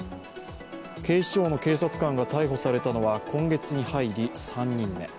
警視庁の警察官が逮捕されたのは今月に入り３人目。